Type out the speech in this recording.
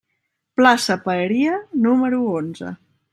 Plaça Paeria, número onze.